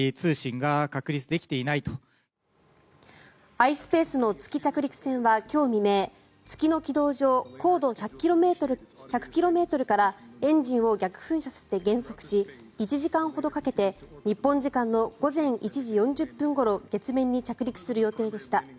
ｉｓｐａｃｅの月着陸船は今日未明月の軌道上高度１００ｋｍからエンジンを逆噴射させて減速し１時間ほどかけて日本時間の午前１時４０分ごろ月面に着陸する予定でした。